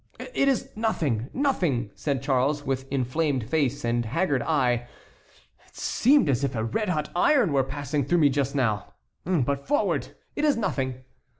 "It is nothing, nothing," said Charles, with inflamed face and haggard eye; "it seemed as if a red hot iron were passing through me just now; but forward! it is nothing."